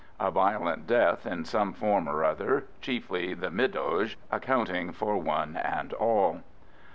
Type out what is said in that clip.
A violent death in some form or other, chiefly the "middoge," accounting for one and all.